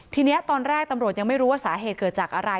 ทีนี้ตอนแรกตำรวจยังไม่รู้ว่าสาเหตุเกิดจากอะไร